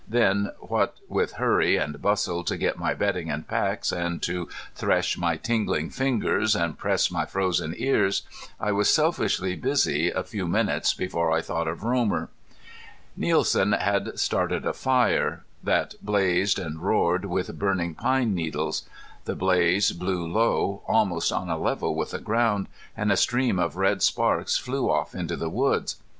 Then what with hurry and bustle to get my bedding and packs, and to thresh my tingling fingers, and press my frozen ears, I was selfishly busy a few minutes before I thought of Romer. Nielsen had started a fire, that blazed and roared with burning pine needles. The blaze blew low, almost on a level with the ground, and a stream of red sparks flew off into the woods.